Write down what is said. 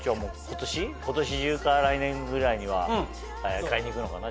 今年中か来年ぐらいには買いに行くのかな？